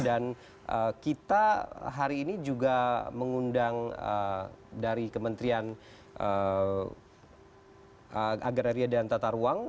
dan kita hari ini juga mengundang dari kementrian agraria dan tata ruang